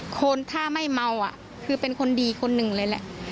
คนถ้าไม่เมาคือเป็นคนดีคนหนึ่งเลยแหละ